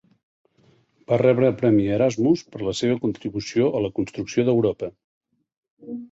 Va rebre el Premi Erasmus per la seva contribució a la construcció d'Europa.